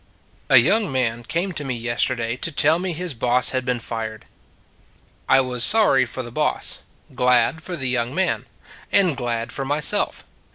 A young man came to me yesterday to tell me his boss had been fired. I was sorry for the boss; glad for the young man; and glad for myself.